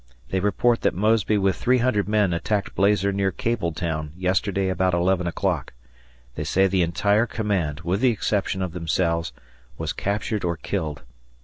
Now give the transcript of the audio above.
They report that Mosby with 300 men attacked Blazer near Kabletown yesterday about 11 o'clock. They say the entire command, with the exception of themselves, was captured or killed.